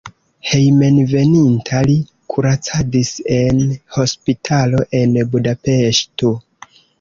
Hejmenveninta li kuracadis en hospitalo en Budapeŝto.